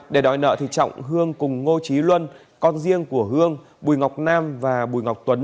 để đòi nợ thì trọng hương cùng ngô trí luân con riêng của hương bùi ngọc nam và bùi ngọc tuấn